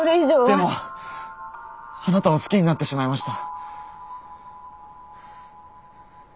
でもあなたを好きになってしまいました。